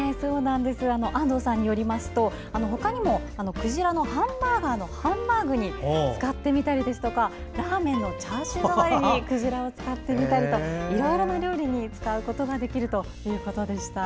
安藤さんによりますとほかにもクジラのハンバーガーのハンバーグに使ってみたりラーメンのチャーシュー代わりにクジラを使ってみたりといろいろな料理に使うことができるということでした。